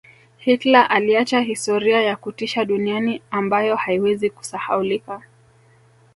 Hitler aliacha historia ya kutisha duniani ambayo haiwezi kusahaulika